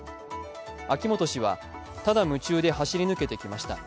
秋元氏はただ夢中で走り抜けてきました。